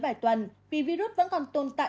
vài tuần vì virus vẫn còn tồn tại